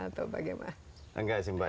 atau bagaimana enggak sih mbak